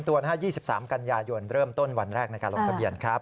ตัวนะฮะ๒๓กันยายนเริ่มต้นวันแรกในการลงทะเบียนครับ